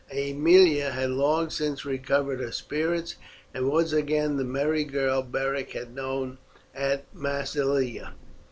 Aemilia had long since recovered her spirits, and was again the merry girl Beric had known at Massilia.